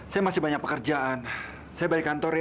saya masih banyak pekerjaan saya balik kantor